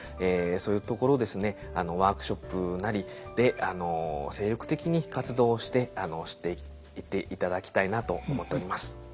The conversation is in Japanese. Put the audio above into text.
そういうところですねワークショップなりで精力的に活動をして知っていっていただきたいなと思っております。